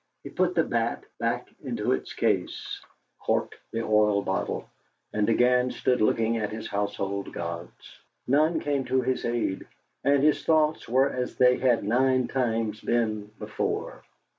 He put the bat back into its case, corked the oil bottle, and again stood looking at his household gods. None came to his aid. And his thoughts were as they had nine times been before.